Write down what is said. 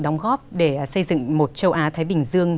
đóng góp để xây dựng một châu á thái bình dương